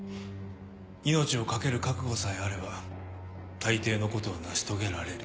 命を懸ける覚悟さえあれば大抵のことは成し遂げられる。